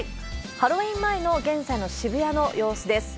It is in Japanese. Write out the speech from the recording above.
ハロウィン前の現在の渋谷の様子です。